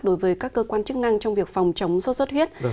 đối với các cơ quan chức năng trong việc phòng chống sốt xuất huyết